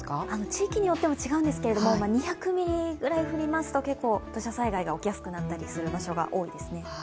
地域によっても違うんですけど２００ミリぐらい降りますと結構、土砂災害が起きやすくなる場所が多いですね。